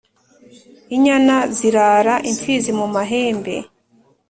inyana zirara imfizi mu mahembe